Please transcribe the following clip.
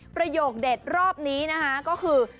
ประโยคเด็ดรอบนี้นะคะก็คือ